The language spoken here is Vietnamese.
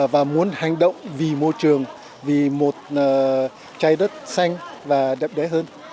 và muốn hành động vì môi trường vì một trái đất xanh và đẹp đẽ hơn